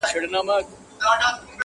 کرۍ ورځ یې وه پخوا اوږده مزلونه!!